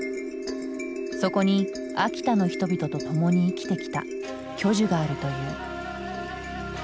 そこに秋田の人々と共に生きてきた巨樹があるという。